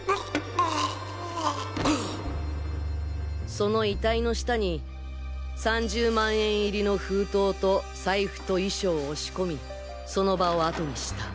その遺体の下に３０万円入りの封筒と財布と遺書をおしこみその場を後にした。